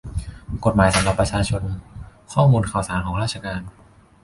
กฎหมายสำหรับประชาชน : ข้อมูลข่าวสารของราชการ